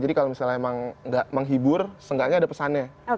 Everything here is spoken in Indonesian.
jadi kalau misalnya emang nggak menghibur seenggaknya ada pesannya